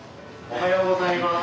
おはようございます。